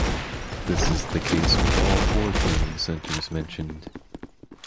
This is the case with all four training centers mentioned.